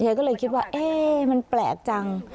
ยายก็เลยคิดว่ามันแปลกจัง